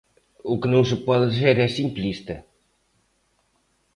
O que non se pode ser é simplista.